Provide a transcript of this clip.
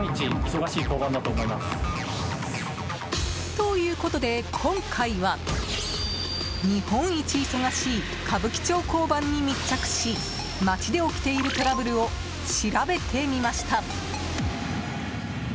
ということで、今回は日本一忙しい歌舞伎町交番に密着し街で起きているトラブルを調べてみました。